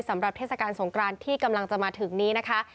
เทศกาลสงครานที่กำลังจะมาถึงนี้นะคะ